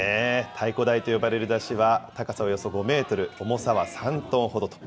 太鼓台と呼ばれる山車は、高さおよそ５メートル、重さは３トンほどと。